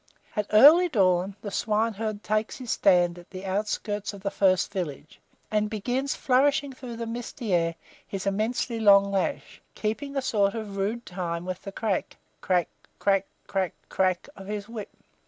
At early dawn, the swine herd takes his stand at the outskirts of the first village, and begins flourishing through the misty air his immensely long lash, keeping a sort of rude time with the crack, crack, crack, crack, crack, crack of his whip.